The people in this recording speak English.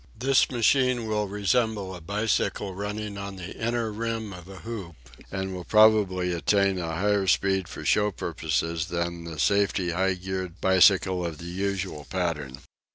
This machine will resemble a bicycle running on the inner rim of a hoop, and will probably attain to a higher speed for show purposes than the safety high geared bicycle of the usual pattern.